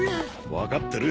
わかってる。